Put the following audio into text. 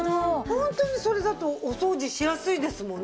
ホントにそれだとお掃除しやすいですもんね。